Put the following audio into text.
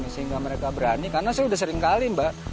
sehingga mereka berani karena saya sudah seringkali mbak